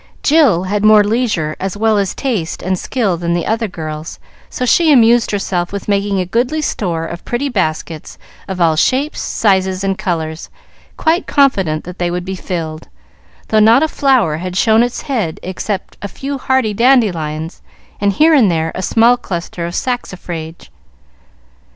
Jill had more leisure as well as taste and skill than the other girls, so she amused herself with making a goodly store of pretty baskets of all shapes, sizes, and colors, quite confident that they would be filled, though not a flower had shown its head except a few hardy dandelions, and here and there a small cluster of saxifrage.